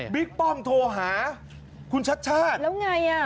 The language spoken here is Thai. บิ๊คป้อมโทรหาคุณชัตร์ชาตร